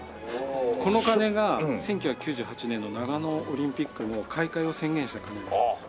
この鐘が１９９８年の長野オリンピックの開会を宣言した鐘なんですよ。